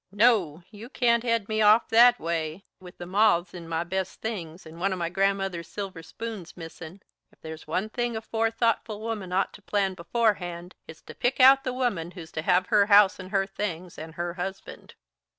No, you can't head me off that way, with the moths in my best things and one of my grandmother's silver spoons missin'. If there's one thing a forethoughtful woman ought to plan beforehand, it's to pick out the woman who's to have her house and her things and her husband."